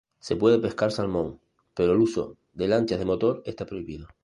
Se puede pescar salmón, pero el uso de lanchas de motor está prohibido.